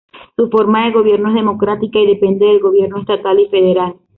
Su forma de gobierno es democrática y depende del gobierno estatal y federal.